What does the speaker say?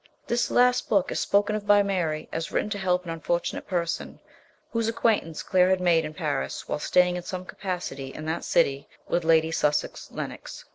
This last book is spoken of by Mary as written to help an unfor tunate person whose acquaintance Claire had made in Paris while staying in some capacity in that city with Lady Sussex Lennox.